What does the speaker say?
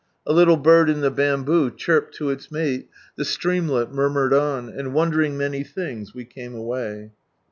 A little bird in the bamboo chirped to its male, the streamlet murmured on ; and wondering many things, we came away.